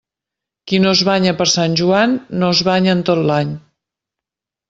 Qui no es banya per Sant Joan no es banya en tot l'any.